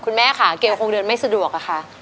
แม่ค่ะเกลคงเดินไม่สะดวกอะค่ะ